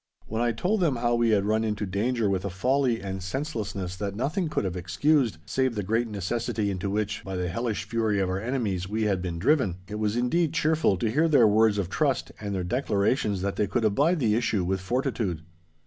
When I told them how we had run into danger with a folly and senselessness that nothing could have excused—save the great necessity into which, by the hellish fury of our enemies, we had been driven—it was indeed cheerful to hear their words of trust and their declarations that they could abide the issue with fortitude.